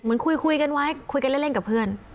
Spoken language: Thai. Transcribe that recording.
เหมือนคุยกันไว้คุยกันเล่นกับเพื่อน